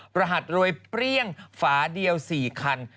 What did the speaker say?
รหัสรวยเปรี้ยงฝาเดียว๔คัน